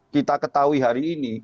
kita ketahui hari ini